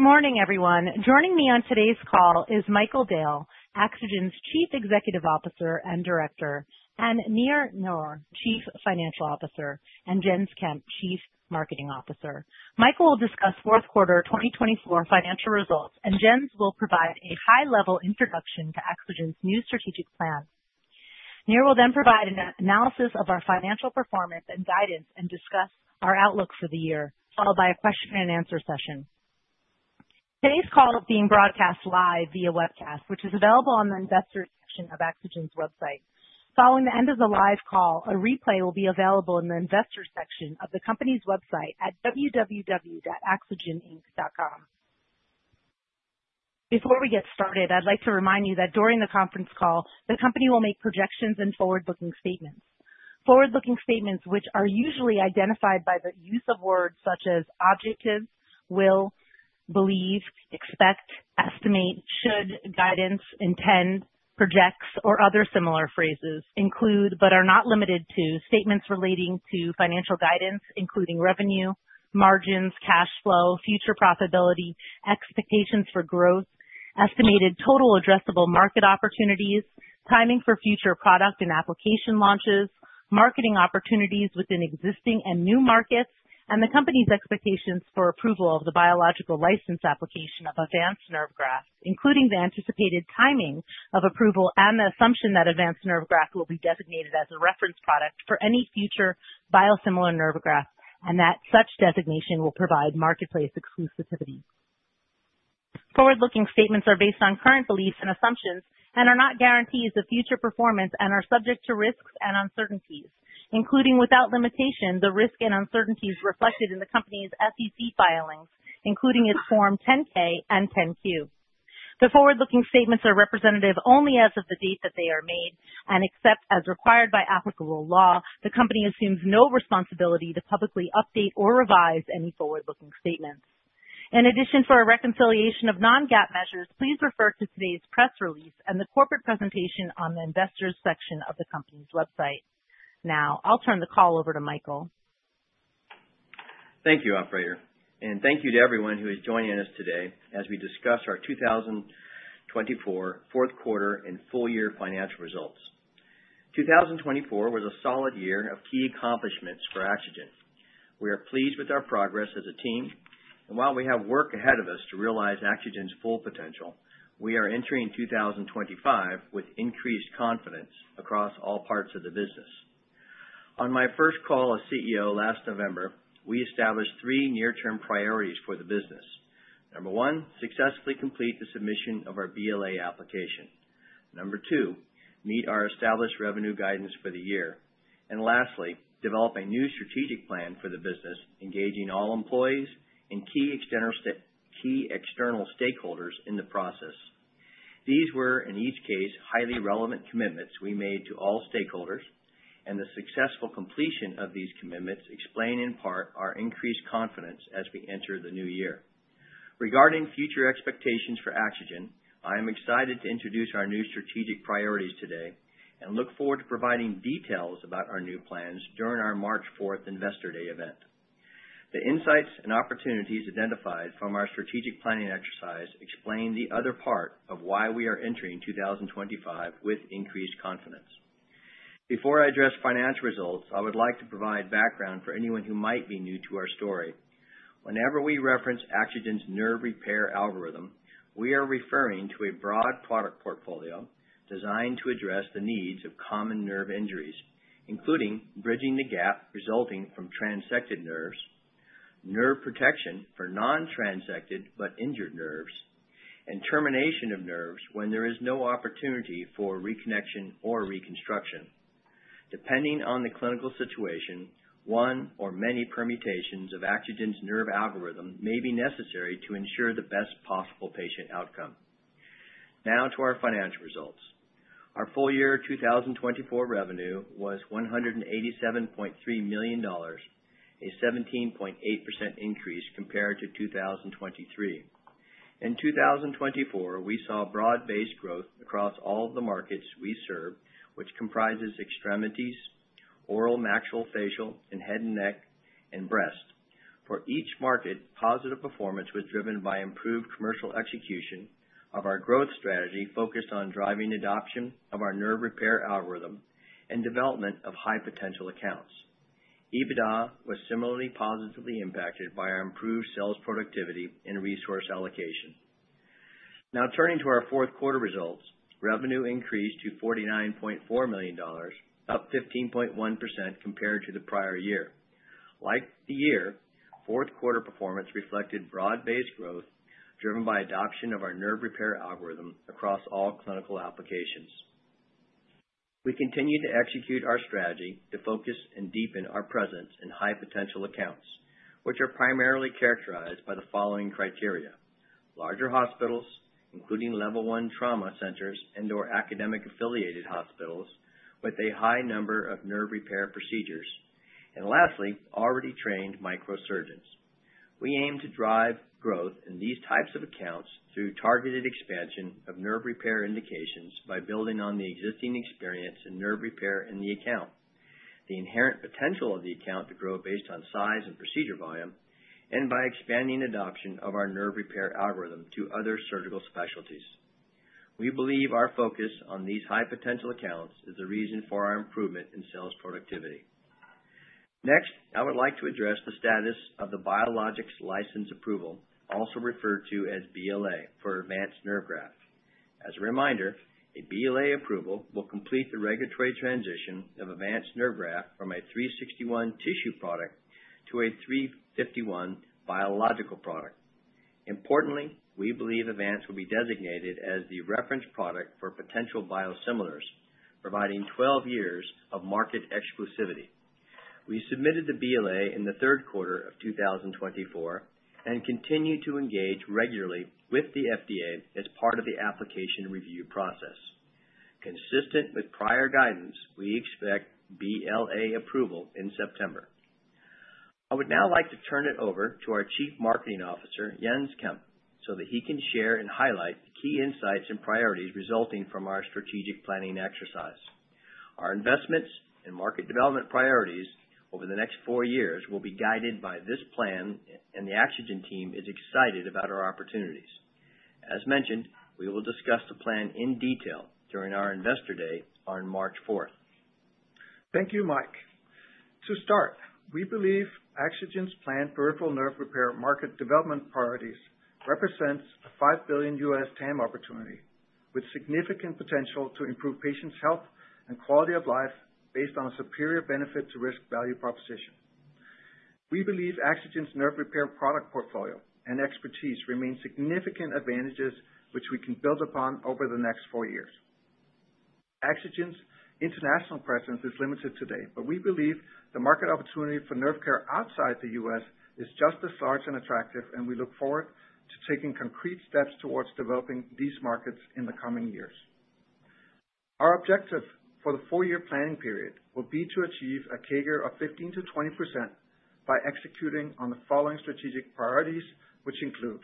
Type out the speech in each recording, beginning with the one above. Good morning, everyone. Joining me on today's call is Michael Dale, Axogen's Chief Executive Officer and Director, and Nir Naor, Chief Financial Officer, and Jens Kemp, Chief Marketing Officer. Michael will discuss fourth quarter 2024 financial results, and Jens will provide a high-level introduction to Axogen's new strategic plan. Nir will then provide an analysis of our financial performance and guidance, and discuss our outlook for the year, followed by a question-and-answer session. Today's call is being broadcast live via webcast, which is available on the investor section of Axogen's website. Following the end of the live call, a replay will be available in the investor section of the company's website at www.axogeninc.com. Before we get started, I'd like to remind you that during the conference call, the company will make projections and forward-looking statements. Forward-looking statements, which are usually identified by the use of words such as objective, will, believe, expect, estimate, should, guidance, intend, projects, or other similar phrases, include, but are not limited to, statements relating to financial guidance, including revenue, margins, cash flow, future profitability, expectations for growth, estimated total addressable market opportunities, timing for future product and application launches, marketing opportunities within existing and new markets, and the company's expectations for approval of the Biologics License Application of Avance Nerve Graft, including the anticipated timing of approval and the assumption that Avance Nerve Graft will be designated as a reference product for any future biosimilar nerve graft, and that such designation will provide marketplace exclusivity. Forward-looking statements are based on current beliefs and assumptions and are not guarantees of future performance and are subject to risks and uncertainties, including without limitation the risks and uncertainties reflected in the company's SEC filings, including its Form 10-K and 10-Q. The forward-looking statements are representative only as of the date that they are made and, except as required by applicable law, the company assumes no responsibility to publicly update or revise any forward-looking statements. In addition, for a reconciliation of non-GAAP measures, please refer to today's press release and the corporate presentation on the investors' section of the company's website. Now, I'll turn the call over to Michael. Thank you, Operator, and thank you to everyone who is joining us today as we discuss our 2024 fourth quarter and full year financial results. 2024 was a solid year of key accomplishments for Axogen. We are pleased with our progress as a team, and while we have work ahead of us to realize Axogen's full potential, we are entering 2025 with increased confidence across all parts of the business. On my first call as CEO last November, we established three near-term priorities for the business. Number one, successfully complete the submission of our BLA application. Number two, meet our established revenue guidance for the year. And lastly, develop a new strategic plan for the business, engaging all employees and key external stakeholders in the process. These were, in each case, highly relevant commitments we made to all stakeholders, and the successful completion of these commitments explain in part our increased confidence as we enter the new year. Regarding future expectations for Axogen, I am excited to introduce our new strategic priorities today and look forward to providing details about our new plans during our March 4th Investor Day event. The insights and opportunities identified from our strategic planning exercise explain the other part of why we are entering 2025 with increased confidence. Before I address financial results, I would like to provide background for anyone who might be new to our story. Whenever we reference Axogen's nerve repair algorithm, we are referring to a broad product portfolio designed to address the needs of common nerve injuries, including bridging the gap resulting from transected nerves, nerve protection for non-transected but injured nerves, and termination of nerves when there is no opportunity for reconnection or reconstruction. Depending on the clinical situation, one or many permutations of Axogen's nerve algorithm may be necessary to ensure the best possible patient outcome. Now to our financial results. Our full year 2024 revenue was $187.3 million, a 17.8% increase compared to 2023. In 2024, we saw broad-based growth across all of the markets we serve, which comprises extremities, oral and maxillofacial, and head and neck and breast. For each market, positive performance was driven by improved commercial execution of our growth strategy focused on driving adoption of our nerve repair algorithm and development of high-potential accounts. EBITDA was similarly positively impacted by our improved sales productivity and resource allocation. Now turning to our fourth quarter results, revenue increased to $49.4 million, up 15.1% compared to the prior year. Like the year, fourth quarter performance reflected broad-based growth driven by adoption of our nerve repair algorithm across all clinical applications. We continue to execute our strategy to focus and deepen our presence in high-potential accounts, which are primarily characterized by the following criteria: larger hospitals, including Level I trauma centers and/or academic-affiliated hospitals with a high number of nerve repair procedures, and lastly, already trained microsurgeons. We aim to drive growth in these types of accounts through targeted expansion of nerve repair indications by building on the existing experience in nerve repair in the account, the inherent potential of the account to grow based on size and procedure volume, and by expanding adoption of our nerve repair algorithm to other surgical specialties. We believe our focus on these high-potential accounts is the reason for our improvement in sales productivity. Next, I would like to address the status of the Biologics License Application, also referred to as BLA, for Avance Nerve Graft. As a reminder, a BLA approval will complete the regulatory transition of Avance Nerve Graft from a 361 tissue product to a 351 biological product. Importantly, we believe Avance will be designated as the reference product for potential biosimilars, providing 12 years of market exclusivity. We submitted the BLA in the third quarter of 2024 and continue to engage regularly with the FDA as part of the application review process. Consistent with prior guidance, we expect BLA approval in September. I would now like to turn it over to our Chief Marketing Officer, Jens Kemp, so that he can share and highlight key insights and priorities resulting from our strategic planning exercise. Our investments and market development priorities over the next four years will be guided by this plan, and the Axogen team is excited about our opportunities. As mentioned, we will discuss the plan in detail during our Investor Day on March 4th. Thank you, Mike. To start, we believe Axogen's planned peripheral nerve repair market development priorities represents a $5 billion TAM opportunity with significant potential to improve patients' health and quality of life based on a superior benefit-to-risk value proposition. We believe Axogen's nerve repair product portfolio and expertise remain significant advantages which we can build upon over the next four years. Axogen's international presence is limited today, but we believe the market opportunity for nerve care outside the U.S. is just as large and attractive, and we look forward to taking concrete steps towards developing these markets in the coming years. Our objective for the four-year planning period will be to achieve a CAGR of 15%-20% by executing on the following strategic priorities, which include: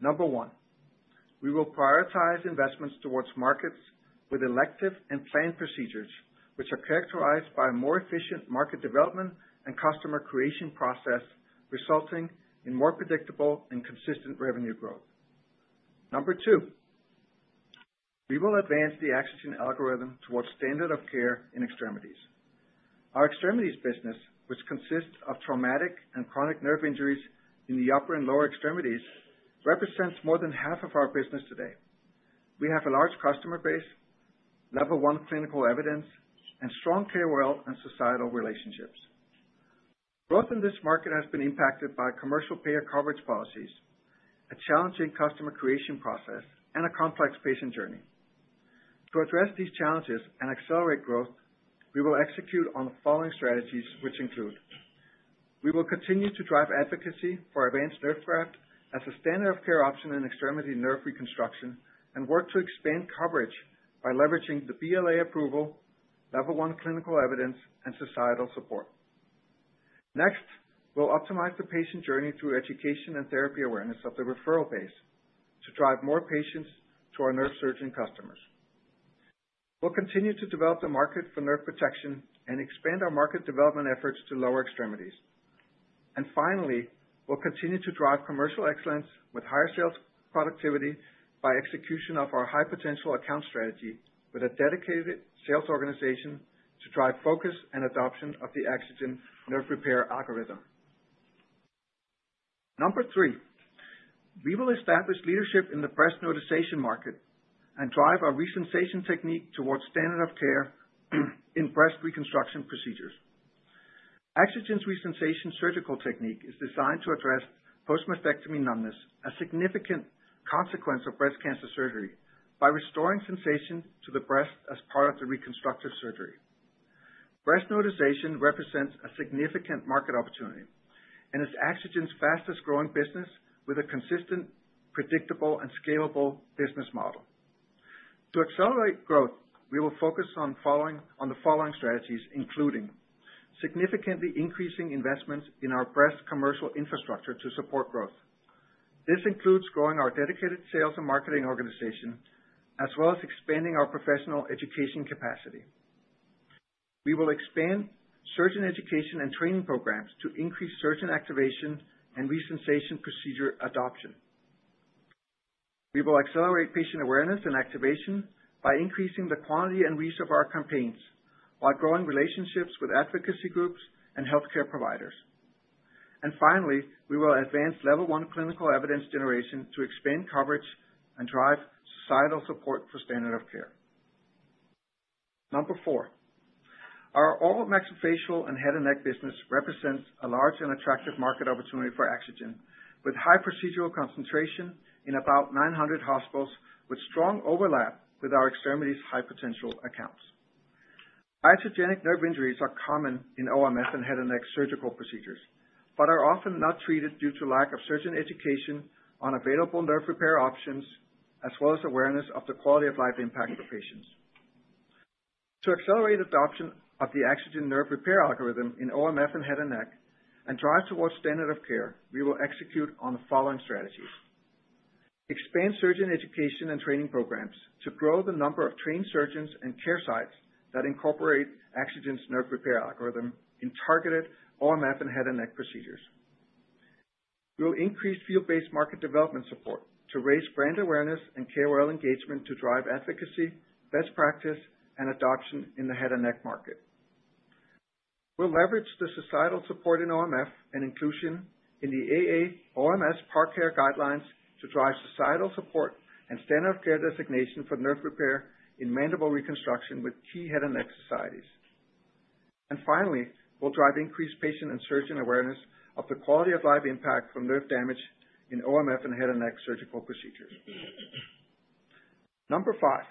Number one, we will prioritize investments towards markets with elective and planned procedures, which are characterized by a more efficient market development and customer creation process, resulting in more predictable and consistent revenue growth. Number two, we will advance the Axogen algorithm towards standard of care in extremities. Our extremities business, which consists of traumatic and chronic nerve injuries in the upper and lower extremities, represents more than half of our business today. We have a large customer base, Level I clinical evidence, and strong KOL and societal relationships. Growth in this market has been impacted by commercial payer coverage policies, a challenging customer creation process, and a complex patient journey. To address these challenges and accelerate growth, we will execute on the following strategies, which include: We will continue to drive advocacy for Avance Nerve Graft as a standard of care option in extremity nerve reconstruction and work to expand coverage by leveraging the BLA approval, Level I clinical evidence, and societal support. Next, we'll optimize the patient journey through education and therapy awareness of the referral base to drive more patients to our nerve surgeon customers. We'll continue to develop the market for nerve protection and expand our market development efforts to lower extremities. And finally, we'll continue to drive commercial excellence with higher sales productivity by execution of our high-potential account strategy with a dedicated sales organization to drive focus and adoption of the Axogen nerve repair algorithm. Number three, we will establish leadership in the breast neurotization market and drive our Resensation technique towards standard of care in breast reconstruction procedures. Axogen's Resensation surgical technique is designed to address post-mastectomy numbness, a significant consequence of breast cancer surgery, by restoring sensation to the breast as part of the reconstructive surgery. Breast neurotization represents a significant market opportunity and is Axogen's fastest-growing business with a consistent, predictable, and scalable business model. To accelerate growth, we will focus on the following strategies, including: significantly increasing investments in our breast commercial infrastructure to support growth. This includes growing our dedicated sales and marketing organization as well as expanding our professional education capacity. We will expand surgeon education and training programs to increase surgeon activation and Resensation procedure adoption. We will accelerate patient awareness and activation by increasing the quantity and reach of our campaigns while growing relationships with advocacy groups and healthcare providers, and finally, we will advance Level I clinical evidence generation to expand coverage and drive societal support for standard of care. Number four, our oral and maxillofacial and head and neck business represents a large and attractive market opportunity for Axogen with high procedural concentration in about 900 hospitals with strong overlap with our extremities' high-potential accounts. Iatrogenic nerve injuries are common in OMS and head and neck surgical procedures but are often not treated due to lack of surgeon education on available nerve repair options as well as awareness of the quality of life impact for patients. To accelerate adoption of the Axogen nerve repair algorithm in OMS and head and neck and drive towards standard of care, we will execute on the following strategies: expand surgeon education and training programs to grow the number of trained surgeons and care sites that incorporate Axogen's nerve repair algorithm in targeted OMS and head and neck procedures. We will increase field-based market development support to raise brand awareness and KOL engagement to drive advocacy, best practice, and adoption in the head and neck market. We'll leverage the societal support in OMS and inclusion in the AAOMS Parameters of Care guidelines to drive societal support and standard of care designation for nerve repair in mandible reconstruction with key head and neck societies. And finally, we'll drive increased patient and surgeon awareness of the quality of life impact from nerve damage in OMS and head and neck surgical procedures. Number five,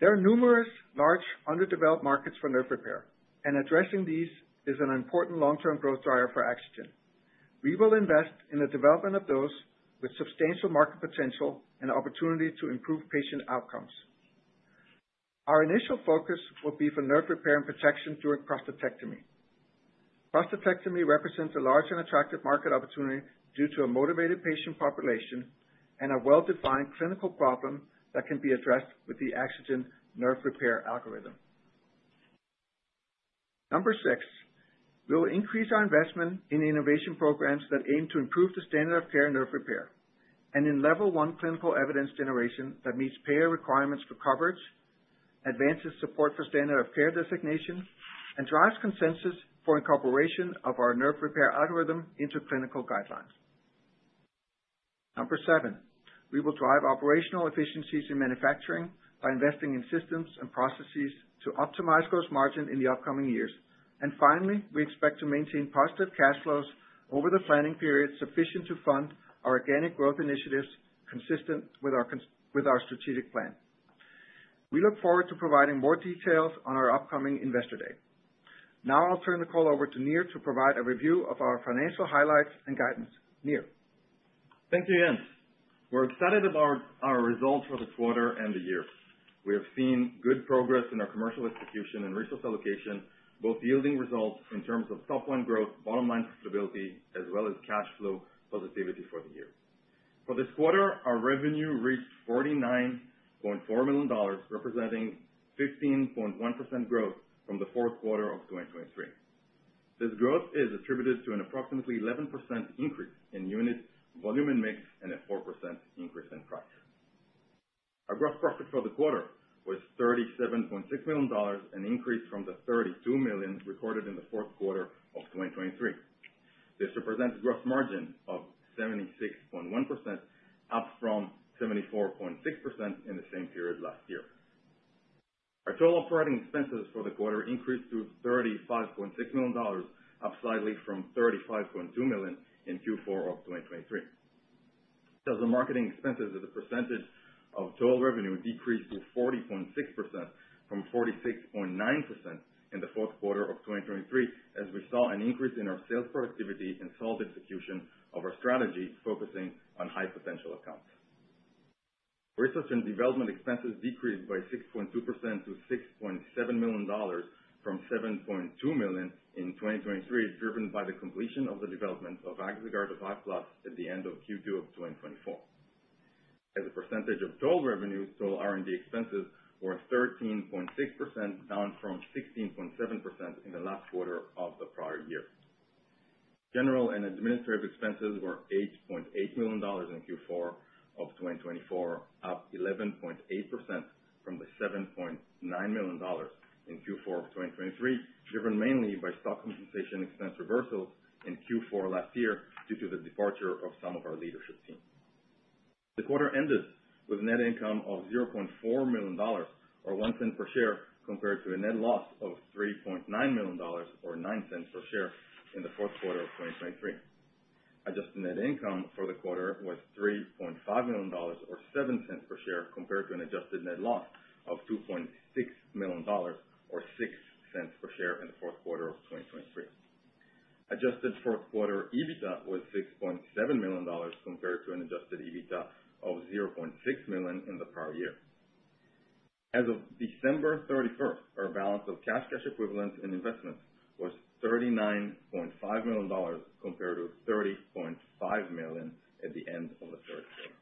there are numerous large underdeveloped markets for nerve repair, and addressing these is an important long-term growth driver for Axogen. We will invest in the development of those with substantial market potential and opportunity to improve patient outcomes. Our initial focus will be for nerve repair and protection during prostatectomy. Prostatectomy represents a large and attractive market opportunity due to a motivated patient population and a well-defined clinical problem that can be addressed with the Axogen nerve repair algorithm. Number six, we'll increase our investment in innovation programs that aim to improve the standard of care in nerve repair and in Level I clinical evidence generation that meets payer requirements for coverage, advances support for standard of care designation, and drives consensus for incorporation of our nerve repair algorithm into clinical guidelines. Number seven, we will drive operational efficiencies in manufacturing by investing in systems and processes to optimize gross margin in the upcoming years. And finally, we expect to maintain positive cash flows over the planning period sufficient to fund our organic growth initiatives consistent with our strategic plan. We look forward to providing more details on our upcoming Investor Day. Now I'll turn the call over to Nir to provide a review of our financial highlights and guidance. Nir. Thank you, Jens. We're excited about our results for the quarter and the year. We have seen good progress in our commercial execution and resource allocation, both yielding results in terms of top-line growth, bottom-line profitability, as well as cash flow positivity for the year. For this quarter, our revenue reached $49.4 million, representing 15.1% growth from the fourth quarter of 2023. This growth is attributed to an approximately 11% increase in unit volume and mix and a 4% increase in price. Our gross profit for the quarter was $37.6 million, an increase from the $32 million recorded in the fourth quarter of 2023. This represents a gross margin of 76.1%, up from 74.6% in the same period last year. Our total operating expenses for the quarter increased to $35.6 million, up slightly from $35.2 million in Q4 of 2023. As our marketing expenses at a percentage of total revenue decreased to 40.6% from 46.9% in the fourth quarter of 2023, as we saw an increase in our sales productivity and solid execution of our strategy focusing on high-potential accounts. Research and development expenses decreased by 6.2% to $6.7 million from $7.2 million in 2023, driven by the completion of the development of Axoguard HA+ at the end of Q2 of 2024. As a percentage of total revenue, total R&D expenses were 13.6%, down from 16.7% in the last quarter of the prior year. General and administrative expenses were $8.8 million in Q4 of 2024, up 11.8% from the $7.9 million in Q4 of 2023, driven mainly by stock compensation expense reversals in Q4 last year due to the departure of some of our leadership team. The quarter ended with net income of $0.4 million, or 1 cent per share, compared to a net loss of $3.9 million, or 9 cents per share, in the fourth quarter of 2023. Adjusted net income for the quarter was $3.5 million, or 7 cents per share, compared to an adjusted net loss of $2.6 million, or 6 cents per share in the fourth quarter of 2023. Adjusted fourth quarter EBITDA was $6.7 million, compared to an adjusted EBITDA of $0.6 million in the prior year. As of December 31st, our balance of cash equivalents and investments was $39.5 million, compared to $30.5 million at the end of the third quarter.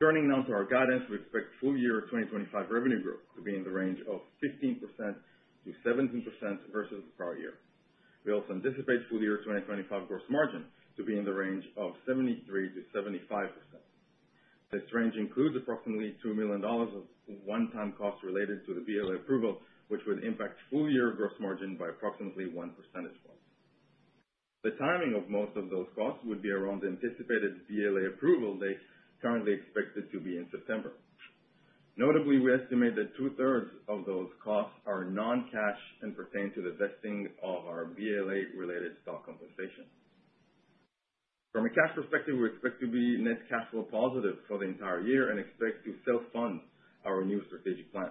Turning now to our guidance, we expect full year 2025 revenue growth to be in the range of 15%-17% versus the prior year. We also anticipate full year 2025 gross margin to be in the range of 73%-75%. This range includes approximately $2 million of one-time costs related to the BLA approval, which would impact full year gross margin by approximately 1 percentage point. The timing of most of those costs would be around the anticipated BLA approval date, currently expected to be in September. Notably, we estimate that two-thirds of those costs are non-cash and pertain to the vesting of our BLA-related stock compensation. From a cash perspective, we expect to be net cash flow positive for the entire year and expect to self-fund our new strategic plan.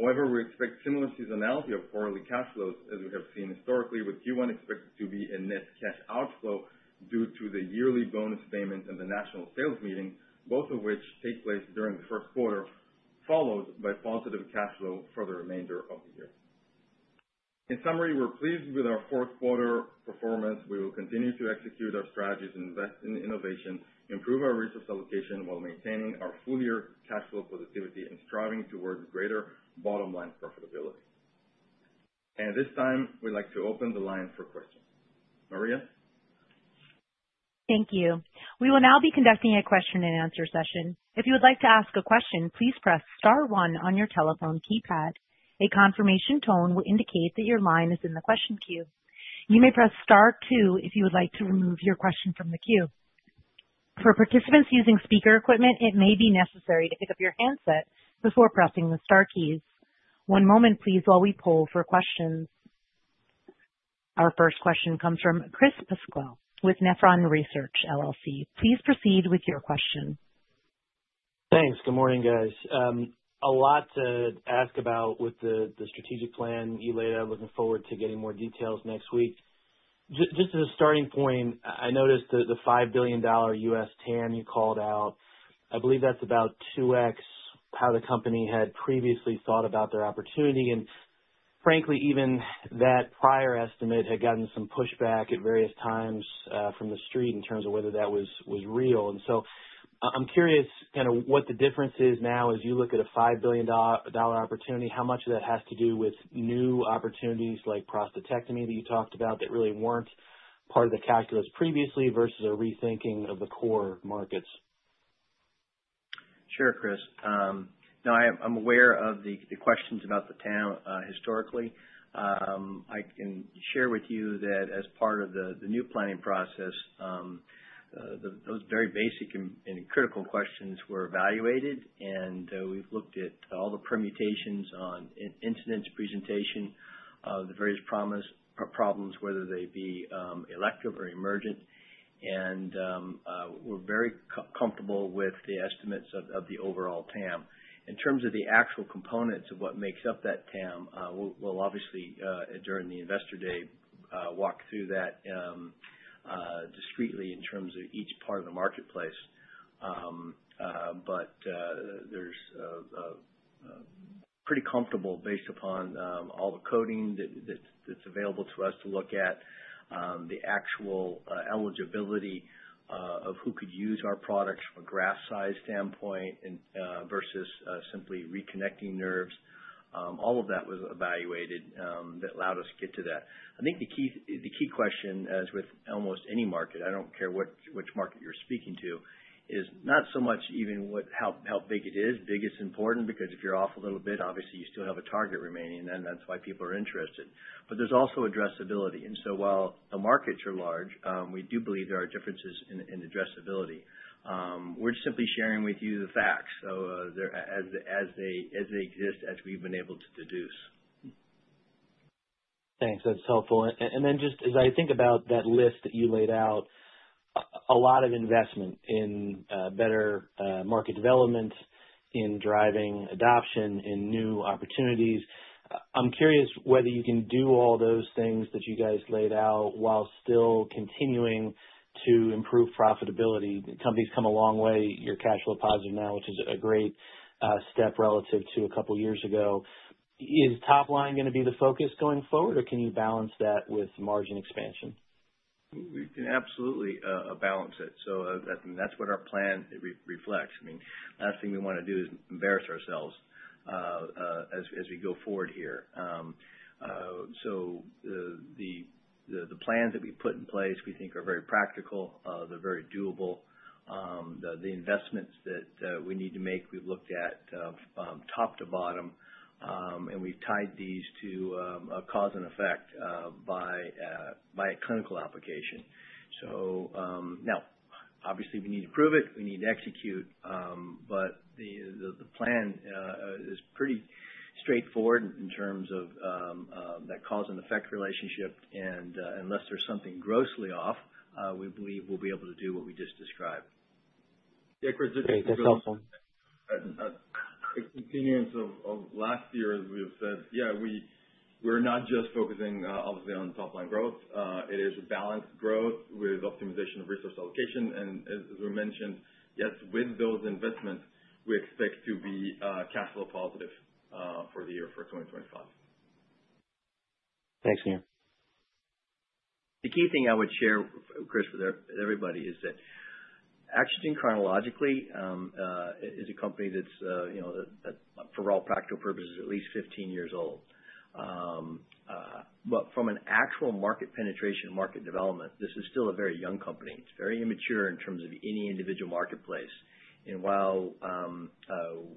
However, we expect similar seasonality of quarterly cash flows as we have seen historically, with Q1 expected to be a net cash outflow due to the yearly bonus payment and the national sales meeting, both of which take place during the first quarter, followed by positive cash flow for the remainder of the year. In summary, we're pleased with our fourth quarter performance. We will continue to execute our strategies and invest in innovation, improve our resource allocation while maintaining our full year cash flow positivity and striving towards greater bottom-line profitability. And at this time, we'd like to open the line for questions. Maria. Thank you. We will now be conducting a question-and-answer session. If you would like to ask a question, please press Star 1 on your telephone keypad. A confirmation tone will indicate that your line is in the question queue. You may press Star 2 if you would like to remove your question from the queue. For participants using speaker equipment, it may be necessary to pick up your handset before pressing the Star keys. One moment, please, while we poll for questions. Our first question comes from Chris Pasquale with Nephron Research, LLC. Please proceed with your question. Thanks. Good morning, guys. A lot to ask about with the strategic plan you laid out. Looking forward to getting more details next week. Just as a starting point, I noticed the $5 billion U.S. TAM you called out. I believe that's about 2x how the company had previously thought about their opportunity. And frankly, even that prior estimate had gotten some pushback at various times from the street in terms of whether that was real. And so I'm curious kind of what the difference is now as you look at a $5 billion opportunity. How much of that has to do with new opportunities like prostatectomy that you talked about that really weren't part of the calculus previously versus a rethinking of the core markets? Sure, Chris. No, I'm aware of the questions about the TAM historically. I can share with you that as part of the new planning process, those very basic and critical questions were evaluated, and we've looked at all the permutations on incidence presentation of the various problems, whether they be elective or emergent. And we're very comfortable with the estimates of the overall TAM. In terms of the actual components of what makes up that TAM, we'll obviously, during the Investor Day, walk through that discretely in terms of each part of the marketplace. But we're pretty comfortable, based upon all the coding that's available to us to look at, the actual eligibility of who could use our products from a graft size standpoint versus simply reconnecting nerves. All of that was evaluated that allowed us to get to that. I think the key question, as with almost any market, I don't care which market you're speaking to, is not so much even how big it is. Big is important because if you're off a little bit, obviously you still have a target remaining, and that's why people are interested. But there's also addressability. And so while the markets are large, we do believe there are differences in addressability. We're simply sharing with you the facts as they exist, as we've been able to deduce. Thanks. That's helpful. And then just as I think about that list that you laid out, a lot of investment in better market development, in driving adoption, in new opportunities. I'm curious whether you can do all those things that you guys laid out while still continuing to improve profitability. Company's come a long way. You're cash flow positive now, which is a great step relative to a couple of years ago. Is top line going to be the focus going forward, or can you balance that with margin expansion? We can absolutely balance it. So that's what our plan reflects. I mean, the last thing we want to do is embarrass ourselves as we go forward here. So the plans that we put in place, we think, are very practical. They're very doable. The investments that we need to make, we've looked at top to bottom, and we've tied these to a cause and effect by a clinical application. So now, obviously, we need to prove it. We need to execute. But the plan is pretty straightforward in terms of that cause and effect relationship. And unless there's something grossly off, we believe we'll be able to do what we just described. Yeah, Chris. That's helpful. Continuation of last year, as we have said, yeah, we're not just focusing, obviously, on top-line growth. It is a balanced growth with optimization of resource allocation, and as we mentioned, yes, with those investments, we expect to be cash flow positive for the year for 2025. Thanks, Nir. The key thing I would share, Chris, with everybody is that Axogen, chronologically, is a company that's, for all practical purposes, at least 15 years old. But from an actual market penetration, market development, this is still a very young company. It's very immature in terms of any individual marketplace. And while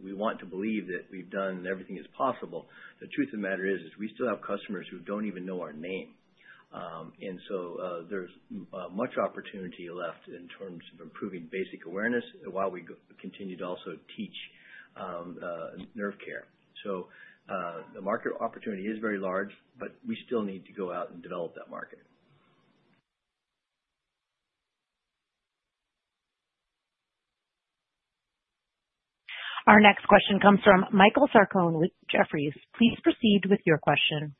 we want to believe that we've done everything that's possible, the truth of the matter is we still have customers who don't even know our name. And so there's much opportunity left in terms of improving basic awareness while we continue to also teach nerve care. So the market opportunity is very large, but we still need to go out and develop that market. Our next question comes from Michael Sarcone with Jefferies. Please proceed with your question.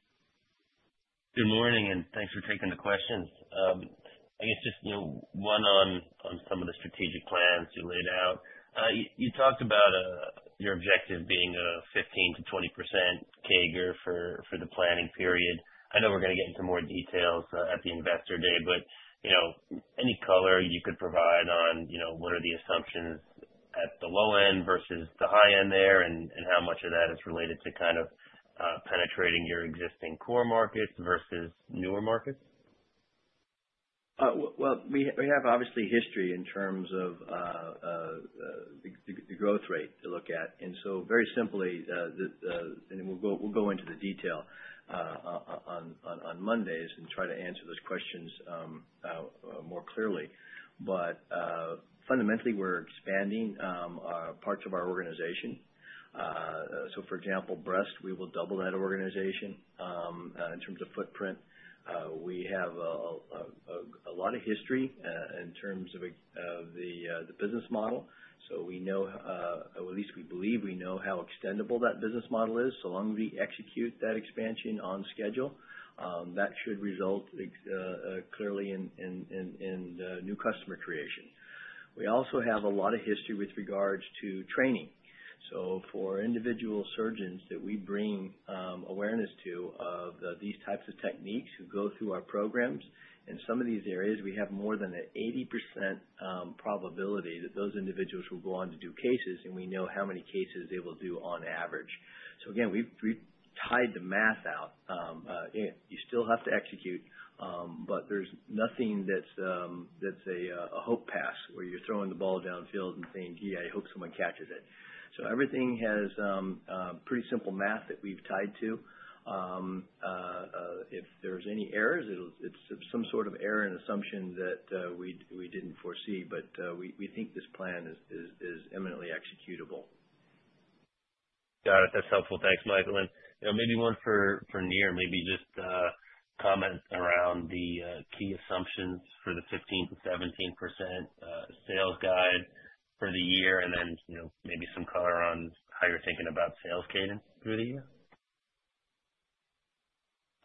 Good morning, and thanks for taking the questions. I guess just one on some of the strategic plans you laid out. You talked about your objective being a 15%-20% CAGR for the planning period. I know we're going to get into more details at the Investor Day, but any color you could provide on what are the assumptions at the low end versus the high end there and how much of that is related to kind of penetrating your existing core markets versus newer markets? We have obvious history in terms of the growth rate to look at, and so very simply, and we'll go into the detail on Mondays and try to answer those questions more clearly, but fundamentally, we're expanding parts of our organization, so for example, Breast, we will double that organization in terms of footprint. We have a lot of history in terms of the business model, so we know, or at least we believe we know, how extendable that business model is, so long as we execute that expansion on schedule, that should result clearly in new customer creation. We also have a lot of history with regards to training. So for individual surgeons that we bring awareness to of these types of techniques who go through our programs, in some of these areas, we have more than an 80% probability that those individuals will go on to do cases, and we know how many cases they will do on average. So again, we've tied the math out. You still have to execute, but there's nothing that's a hope pass where you're throwing the ball downfield and saying, "Gee, I hope someone catches it." So everything has pretty simple math that we've tied to. If there's any errors, it's some sort of error and assumption that we didn't foresee, but we think this plan is imminently executable. Got it. That's helpful. Thanks, Michael. And maybe one for Nir, maybe just comment around the key assumptions for the 15%-17% sales guide for the year, and then maybe some color on how you're thinking about sales cadence through the year.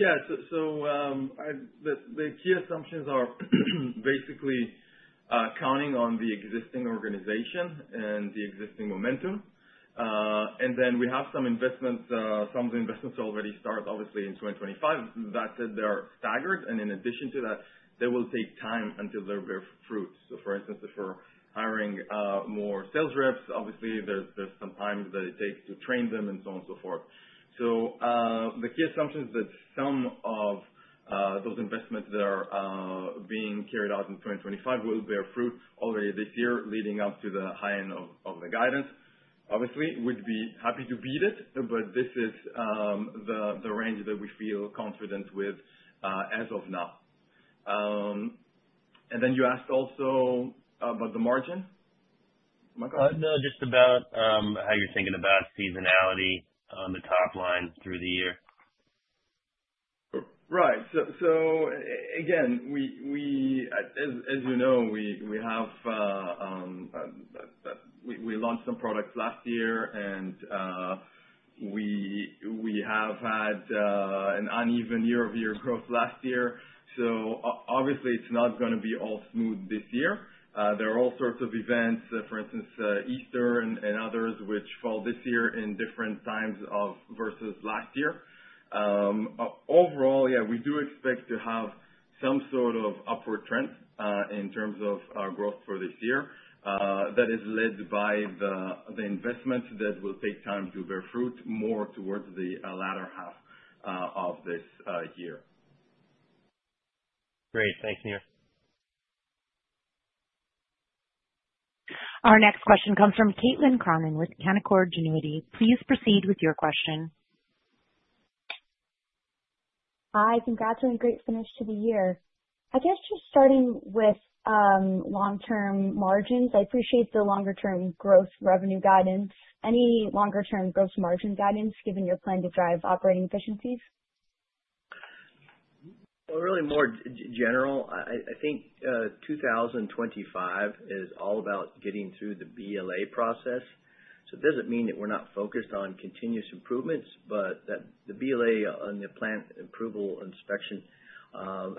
Yeah. So the key assumptions are basically counting on the existing organization and the existing momentum. And then we have some investments. Some of the investments already started, obviously, in 2025. That said, they're staggered. And in addition to that, they will take time until they bear fruit. So for instance, if we're hiring more sales reps, obviously, there's some time that it takes to train them and so on and so forth. So the key assumption is that some of those investments that are being carried out in 2025 will bear fruit already this year, leading up to the high end of the guidance. Obviously, we'd be happy to beat it, but this is the range that we feel confident with as of now. And then you asked also about the margin. Michael? No, just about how you're thinking about seasonality on the top line through the year. Right. So again, as you know, we launched some products last year, and we have had an uneven year-over-year growth last year. So obviously, it's not going to be all smooth this year. There are all sorts of events, for instance, Easter and others, which fall this year in different times versus last year. Overall, yeah, we do expect to have some sort of upward trend in terms of growth for this year that is led by the investments that will take time to bear fruit more towards the latter half of this year. Great. Thanks, Nir. Our next question comes from Caitlin Cronin with Canaccord Genuity. Please proceed with your question. Hi. Congrats on a great finish to the year. I guess just starting with long-term margins, I appreciate the longer-term growth revenue guidance. Any longer-term growth margin guidance given your plan to drive operating efficiencies? Really more general, I think 2025 is all about getting through the BLA process. It doesn't mean that we're not focused on continuous improvements, but the BLA and the plant approval inspection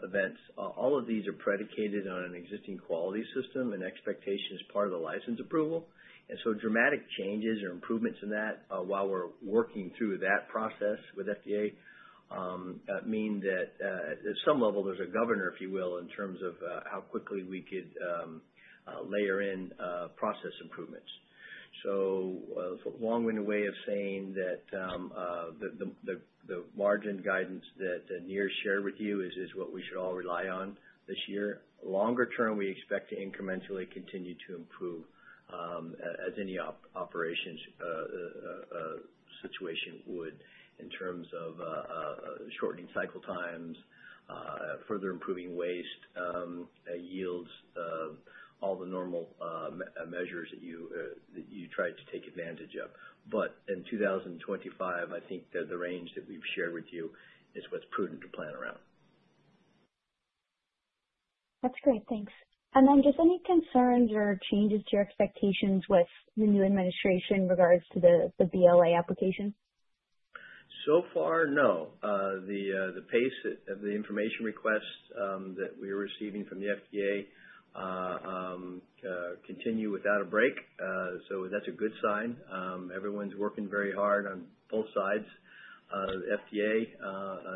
events, all of these are predicated on an existing quality system, and expectation is part of the license approval. Dramatic changes or improvements in that while we're working through that process with FDA mean that at some level, there's a governor, if you will, in terms of how quickly we could layer in process improvements. A long-winded way of saying that the margin guidance that Nir shared with you is what we should all rely on this year. Longer term, we expect to incrementally continue to improve as any operations situation would in terms of shortening cycle times, further improving waste yields, all the normal measures that you try to take advantage of. But in 2025, I think that the range that we've shared with you is what's prudent to plan around. That's great. Thanks. And then just any concerns or changes to your expectations with the new administration in regards to the BLA application? So far, no. The pace of the information requests that we are receiving from the FDA continue without a break. So that's a good sign. Everyone's working very hard on both sides, FDA,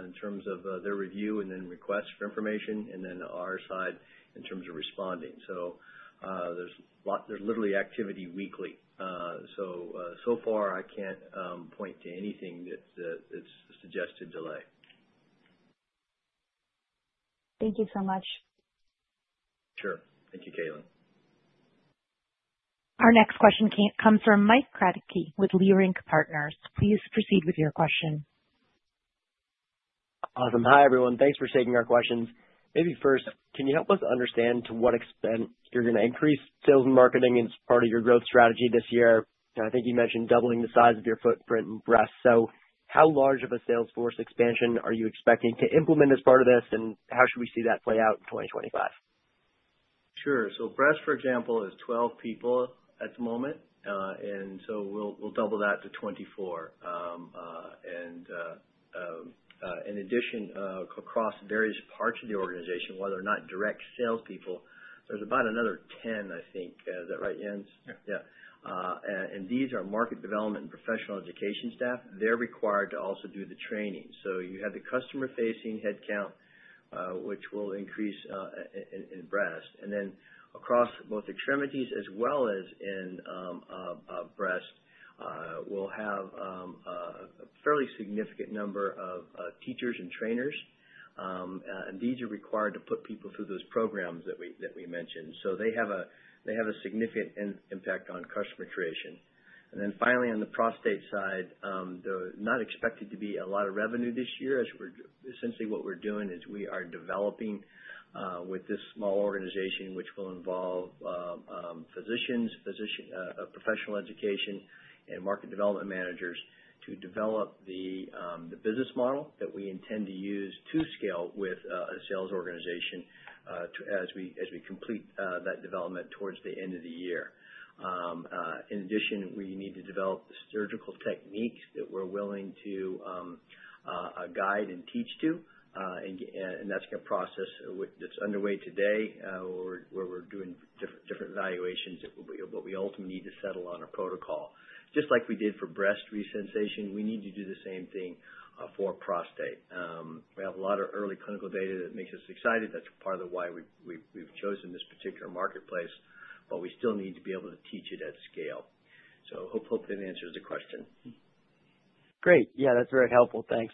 in terms of their review and then requests for information, and then our side in terms of responding. So there's literally activity weekly. So far, I can't point to anything that's suggested delay. Thank you so much. Sure. Thank you, Caitlin. Our next question comes from Mike Kratky with Leerink Partners. Please proceed with your question. Awesome. Hi, everyone. Thanks for taking our questions. Maybe first, can you help us understand to what extent you're going to increase sales and marketing as part of your growth strategy this year? I think you mentioned doubling the size of your footprint in Breast. So how large of a sales force expansion are you expecting to implement as part of this, and how should we see that play out in 2025? Sure. So breast, for example, is 12 people at the moment. And so we'll double that to 24. And in addition, across various parts of the organization, while they're not direct salespeople, there's about another 10, I think. Is that right, Jens? Yeah. Yeah. And these are market development and professional education staff. They're required to also do the training. So you have the customer-facing headcount, which will increase in Breast. And then across both extremities as well as in Breast, we'll have a fairly significant number of teachers and trainers. And these are required to put people through those programs that we mentioned. So they have a significant impact on customer creation. And then finally, on the prostate side, they're not expected to be a lot of revenue this year. Essentially, what we're doing is we are developing with this small organization, which will involve physicians, professional education, and market development managers to develop the business model that we intend to use to scale with a sales organization as we complete that development towards the end of the year. In addition, we need to develop surgical techniques that we're willing to guide and teach to. That's a process that's underway today where we're doing different evaluations, but we ultimately need to settle on a protocol. Just like we did for breast Resensation, we need to do the same thing for prostate. We have a lot of early clinical data that makes us excited. That's part of why we've chosen this particular marketplace, but we still need to be able to teach it at scale. Hopefully, that answers the question. Great. Yeah, that's very helpful. Thanks.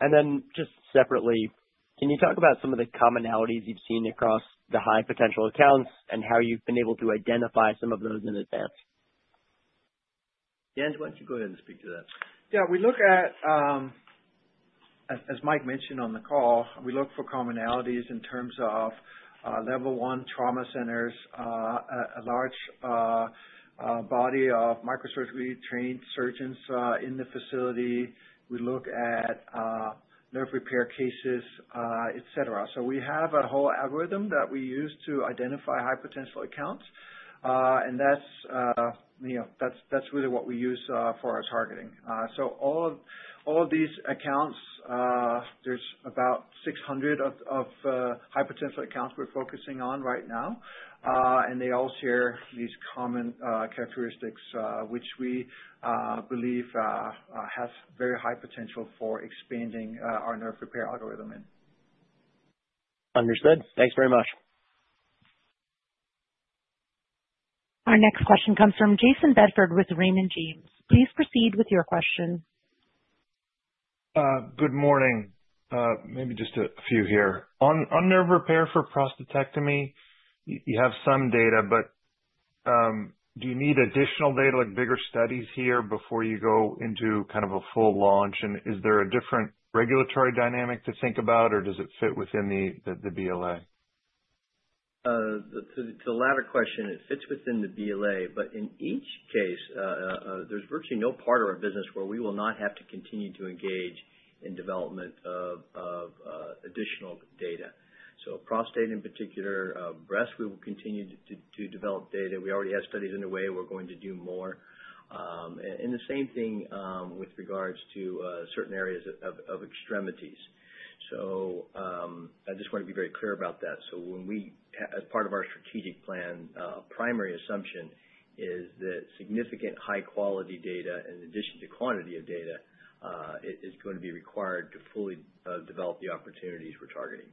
And then just separately, can you talk about some of the commonalities you've seen across the high-potential accounts and how you've been able to identify some of those in advance? Jens, why don't you go ahead and speak to that? Yeah. As Mike mentioned on the call, we look for commonalities in terms of Level I trauma centers, a large body of microsurgery-trained surgeons in the facility. We look at nerve repair cases, etc. So we have a whole algorithm that we use to identify high-potential accounts. And that's really what we use for our targeting. So all of these accounts, there's about 600 of high-potential accounts we're focusing on right now. And they all share these common characteristics, which we believe have very high potential for expanding our nerve repair algorithm in. Understood. Thanks very much. Our next question comes from Jason Bedford with Raymond James. Please proceed with your question. Good morning. Maybe just a few here. On nerve repair for prostatectomy, you have some data, but do you need additional data, like bigger studies here before you go into kind of a full launch? And is there a different regulatory dynamic to think about, or does it fit within the BLA? To the latter question, it fits within the BLA, but in each case, there's virtually no part of our business where we will not have to continue to engage in development of additional data. So prostate in particular, breast, we will continue to develop data. We already have studies underway. We're going to do more. And the same thing with regards to certain areas of extremities. So I just want to be very clear about that. So as part of our strategic plan, a primary assumption is that significant high-quality data, in addition to quantity of data, is going to be required to fully develop the opportunities we're targeting.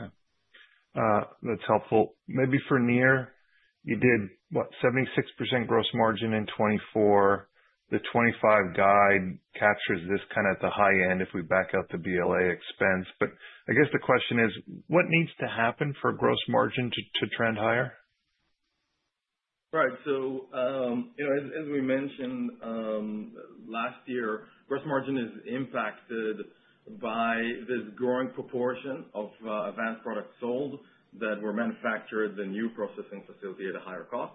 Okay. That's helpful. Maybe for Nir, you did, what, 76% gross margin in 2024. The 2025 guide captures this kind of at the high end if we back out the BLA expense. But I guess the question is, what needs to happen for gross margin to trend higher? Right. So as we mentioned last year, gross margin is impacted by this growing proportion of advanced products sold that were manufactured at the new processing facility at a higher cost.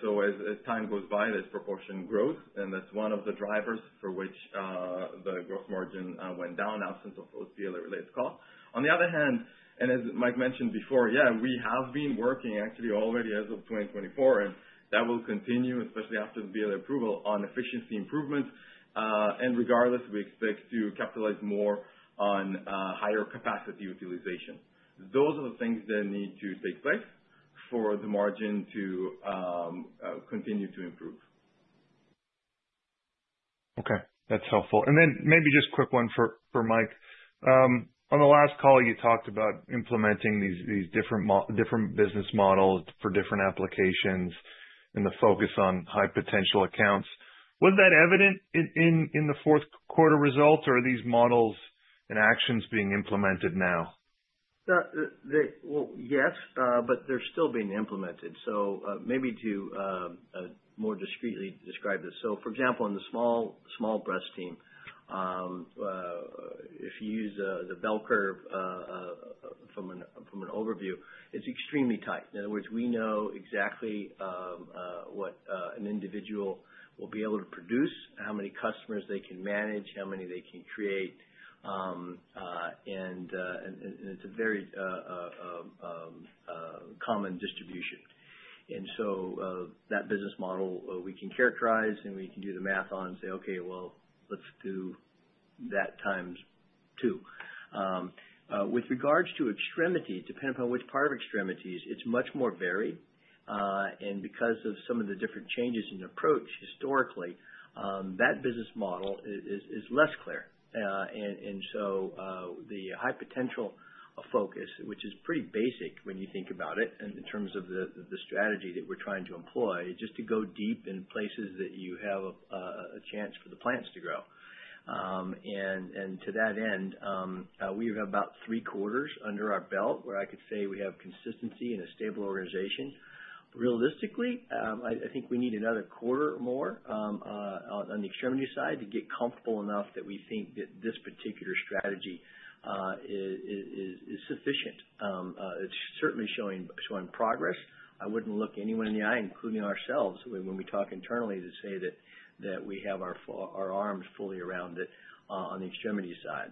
So as time goes by, this proportion grows, and that's one of the drivers for which the gross margin went down absent of those BLA-related costs. On the other hand, and as Mike mentioned before, yeah, we have been working actually already as of 2024, and that will continue, especially after the BLA approval, on efficiency improvements. And regardless, we expect to capitalize more on higher capacity utilization. Those are the things that need to take place for the margin to continue to improve. Okay. That's helpful. And then maybe just a quick one for Mike. On the last call, you talked about implementing these different business models for different applications and the focus on high-potential accounts. Was that evident in the fourth quarter results, or are these models and actions being implemented now? Yes, but they're still being implemented. Maybe to more discreetly describe this. For example, in the small breast team, if you use the bell curve from an overview, it's extremely tight. In other words, we know exactly what an individual will be able to produce, how many customers they can manage, how many they can create. It's a very common distribution. That business model, we can characterize, and we can do the math on and say, "Okay, well, let's do that times two." With regards to extremity, depending upon which part of extremities, it's much more varied. Because of some of the different changes in approach historically, that business model is less clear. And so the high-potential focus, which is pretty basic when you think about it in terms of the strategy that we're trying to employ, is just to go deep in places that you have a chance for the plants to grow. And to that end, we have about three quarters under our belt where I could say we have consistency and a stable organization. Realistically, I think we need another quarter more on the extremity side to get comfortable enough that we think that this particular strategy is sufficient. It's certainly showing progress. I wouldn't look anyone in the eye, including ourselves, when we talk internally to say that we have our arms fully around it on the extremity side.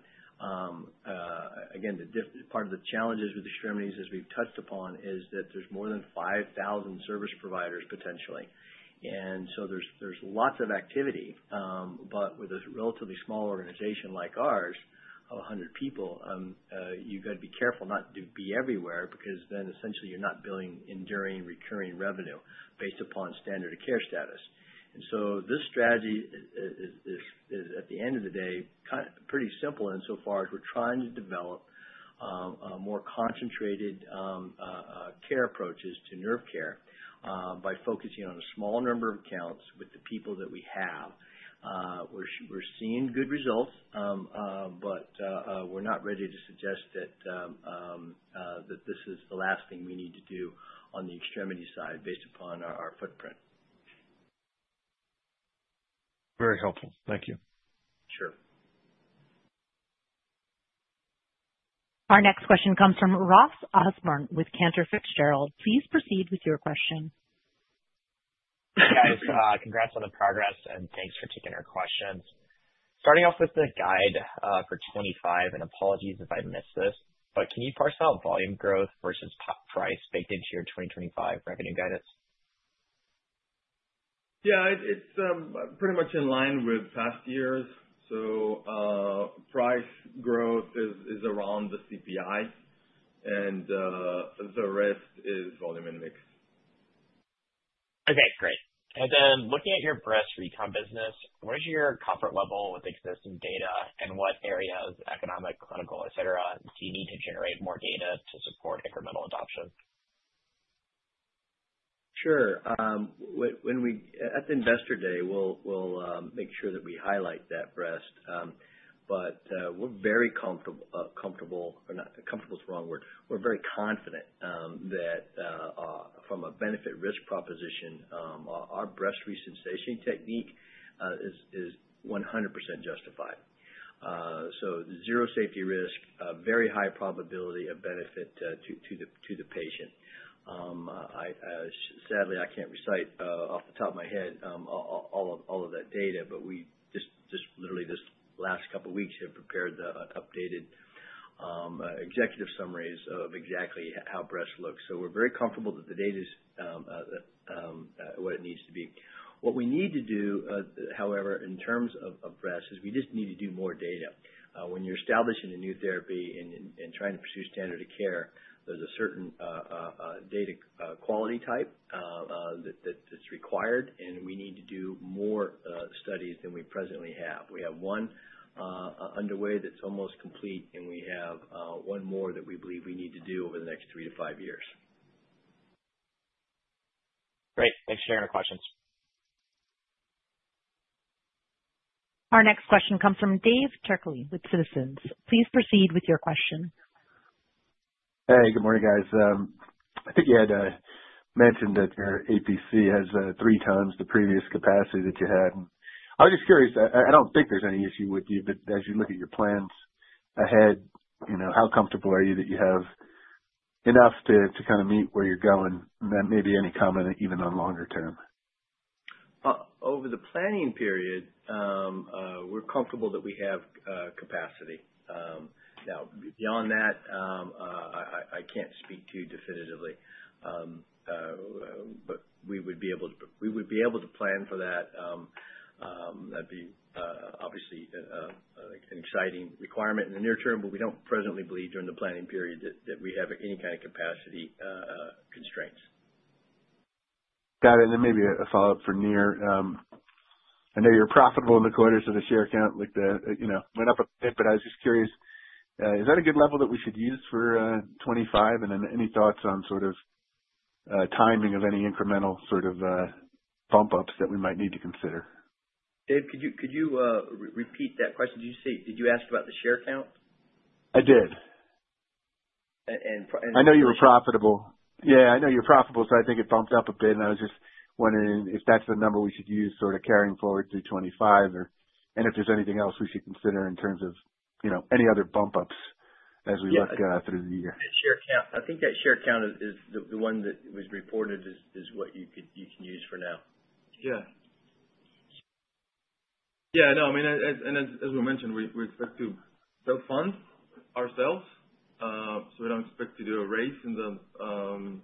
Again, part of the challenges with extremities, as we've touched upon, is that there's more than 5,000 service providers potentially. And so there's lots of activity, but with a relatively small organization like ours of 100 people, you've got to be careful not to be everywhere because then essentially you're not building enduring recurring revenue based upon standard of care status. And so this strategy is, at the end of the day, pretty simple insofar as we're trying to develop more concentrated care approaches to nerve care by focusing on a small number of accounts with the people that we have. We're seeing good results, but we're not ready to suggest that this is the last thing we need to do on the extremity side based upon our footprint. Very helpful. Thank you. Sure. Our next question comes from Ross Osborn with Cantor Fitzgerald. Please proceed with your question. Hi, guys. Congrats on the progress, and thanks for taking our questions. Starting off with the guide for 2025, and apologies if I missed this, but can you parse out volume growth versus price baked into your 2025 revenue guidance? Yeah. It's pretty much in line with past years. So price growth is around the CPI, and the rest is volume and mix. Okay. Great. And then looking at your breast recon business, what is your comfort level with existing data, and what areas, economic, clinical, etc., do you need to generate more data to support incremental adoption? Sure. At the Investor Day, we'll make sure that we highlight that Resensation, but we're very comfortable, or not comfortable is the wrong word, we're very confident that from a benefit-risk proposition, our Resensation technique is 100% justified, so zero safety risk, very high probability of benefit to the patient. Sadly, I can't recite off the top of my head all of that data, but we just literally this last couple of weeks have prepared updated executive summaries of exactly how Resensation looks, so we're very comfortable that the data is what it needs to be. What we need to do, however, in terms of Resensation, is we just need to do more data. When you're establishing a new therapy and trying to pursue standard of care, there's a certain data quality type that's required, and we need to do more studies than we presently have. We have one underway that's almost complete, and we have one more that we believe we need to do over the next three to five years. Great. Thanks for sharing your questions. Our next question comes from Dave Turkaly with Citizens. Please proceed with your question. Hey, good morning, guys. I think you had mentioned that your APC has three times the previous capacity that you had. I was just curious. I don't think there's any issue with you, but as you look at your plans ahead, how comfortable are you that you have enough to kind of meet where you're going? And then maybe any comment even on longer term? Over the planning period, we're comfortable that we have capacity. Now, beyond that, I can't speak to definitively, but we would be able to plan for that. That'd be obviously an exciting requirement in the near term, but we don't presently believe during the planning period that we have any kind of capacity constraints. Got it. And then maybe a follow-up for Nir. I know you're profitable in the quarters, but the share count, like, they went up a bit, but I was just curious. Is that a good level that we should use for 2025? And then any thoughts on sort of timing of any incremental sort of bump-ups that we might need to consider? Dave, could you repeat that question? Did you ask about the share count? I did. I know you were profitable. Yeah. I know you were profitable, so I think it bumped up a bit. I was just wondering if that's the number we should use sort of carrying forward through 2025, and if there's anything else we should consider in terms of any other bump-ups as we look through the year. I think that share count is the one that was reported as what you can use for now. Yeah. Yeah. No. I mean, and as we mentioned, we expect to build funds ourselves. So we don't expect to do a raise in the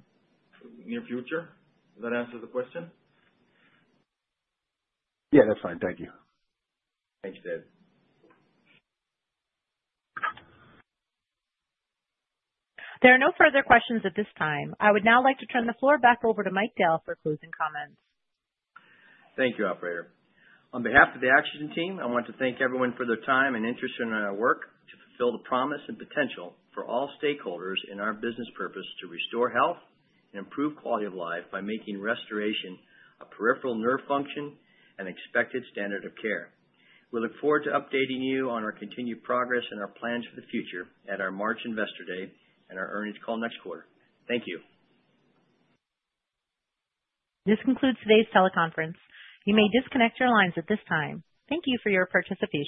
near future. Does that answer the question? Yeah. That's fine. Thank you. Thanks, Dave. There are no further questions at this time. I would now like to turn the floor back over to Mike Dale for closing comments. Thank you, Operator. On behalf of the Axogen team, I want to thank everyone for their time and interest in our work to fulfill the promise and potential for all stakeholders in our business purpose to restore health and improve quality of life by making restoration of peripheral nerve function an expected standard of care. We look forward to updating you on our continued progress and our plans for the future at our March Investor Day and our earnings call next quarter. Thank you. This concludes today's teleconference. You may disconnect your lines at this time. Thank you for your participation.